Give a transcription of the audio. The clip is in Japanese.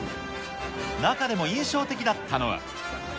中でも印象的だったのは。